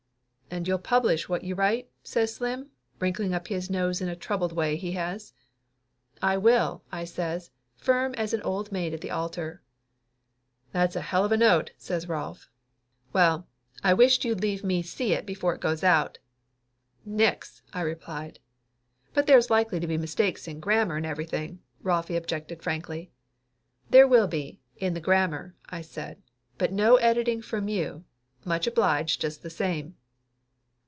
"And you'll publish what you write?" says Slim, wrinkling up his nose in a troubled way he has. "I will," I says, firm as an old maid at the altar. "That's a hell of a note!" says Rolf. "Well, I wisht you'd leave me see it before it goes out." "Nix!" I replied. "But there's likely to be mistakes in grammar and everything!" Rolfie objected frankly. "There will be, in the grammar," I said. "But no editing from you, much obliged just the same!"